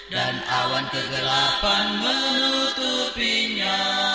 dan awan kegelapan menutupinya